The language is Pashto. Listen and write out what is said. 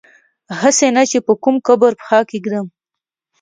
هسي نه چي په کوم قبر پښه کیږدم